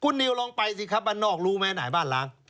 คุณนิวลองไปสิครับบ้านนอกรู้ไหมไหนบ้านล้าง